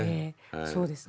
そうですね。